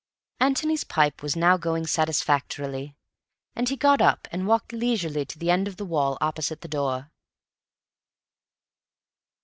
Antony's pipe was now going satisfactorily, and he got up and walked leisurely to the end of the wall opposite the door.